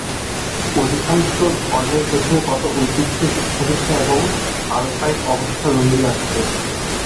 অধিকাংশ ধর্মের পিছনে কত ঐতিহ্য, শিক্ষাদীক্ষা এবং পারিপার্শ্বিক অবস্থা রহিয়াছে।